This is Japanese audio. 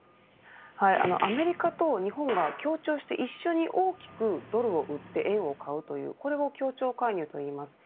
アメリカと日本が協調して一緒に大きくドルを売って円を買うというこれを協調介入といいます。